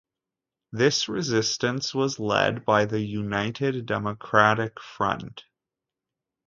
This resistance was led by the United Democratic Front.